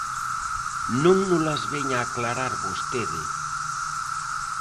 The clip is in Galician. Non nolas veña aclarar vostede.